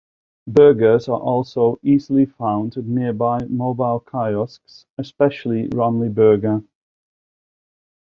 Burgers are also easily found at nearby mobile kiosks, especially Ramly Burger.